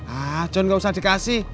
ah john nggak usah dikasih